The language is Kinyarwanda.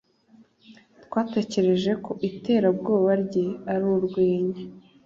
Twatekereje ko iterabwoba rye ari urwenya.